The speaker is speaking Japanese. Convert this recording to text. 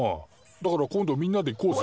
だから今度みんなで行こうぜ。